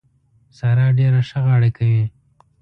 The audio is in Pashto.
سارا ډېره ښه غاړه کوي.